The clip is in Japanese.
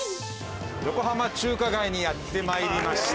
横浜中華街にやって参りました。